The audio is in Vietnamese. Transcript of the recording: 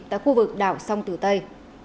tại khu vực đảo sông tử tây